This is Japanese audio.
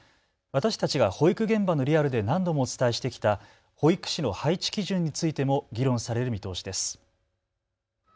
私たちが保育現場のリアルで何度もお伝えしてきた保育士の配置基準についても議論される見通しです。